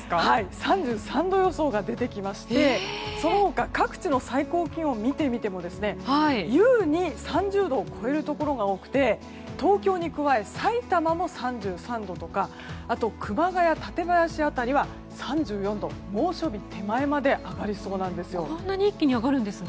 ３３度予想が出てきましてその他各地の最高気温を見てみても優に３０度を超えるところが多くて東京に加え、埼玉も３３度とかあと、熊谷、舘林辺りは３４度猛暑日手前まで上がりそうなんですよ。